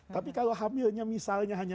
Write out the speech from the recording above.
tapi kalau hamilnya misalnya